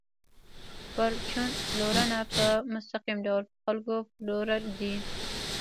پرچون پلورنه په مستقیم ډول په خلکو پلورل دي